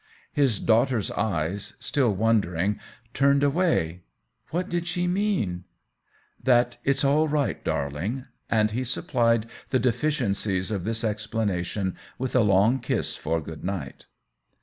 His daughter's eyes, still wondering, turn ed away. " What did she mean ?" "That it's all right, darling!'' And he supplied the deficiencies of this ex planation with a long kiss for good night.